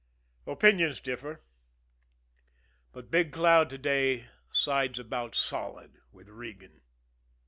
Opinions differ. But Big Cloud to day sides about solid with Regan.